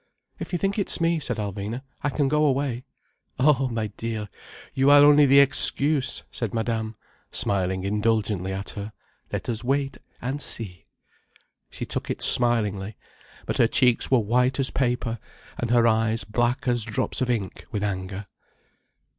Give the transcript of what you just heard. "If you think it's me," said Alvina, "I can go away." "Oh, my dear, you are only the excuse," said Madame, smiling indulgently at her. "Let us wait, and see." She took it smilingly. But her cheeks were white as paper, and her eyes black as drops of ink, with anger.